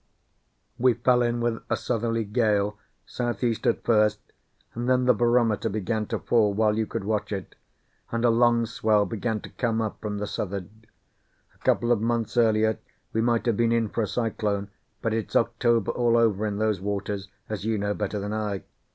We fell in with a southerly gale, southeast at first; and then the barometer began to fall while you could watch it, and a long swell began to come up from the south'ard. A couple of months earlier we might have been in for a cyclone, but it's "October all over" in those waters, as you know better than I.